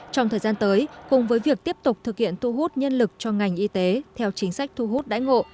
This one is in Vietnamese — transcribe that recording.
trong thời gian tới cùng với việc tiếp tục thực hiện thu hút nhân lực cho ngành y tế theo chính sách thu hút đáy ngộ